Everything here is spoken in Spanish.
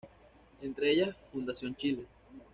Entre ellas Fundación Chile.